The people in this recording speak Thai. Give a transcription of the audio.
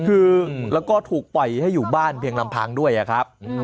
คือแล้วก็ถูกปล่อยให้อยู่บ้านเพียงลำพังด้วยอะครับ